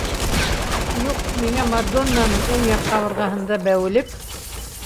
Юҡ, миңә мадоннаның уң яҡ ҡабырғаһында бәүелеп